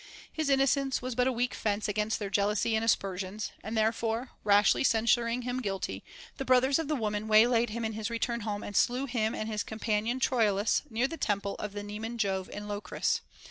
His innocence was but a weak fence against their jealousy and aspersions ; and therefore, rashly cen suring him guilty, the brothers of the woman waylaid him in his return home, and slew him and his companion Troilus near the temple of Nemean Jove in Locris.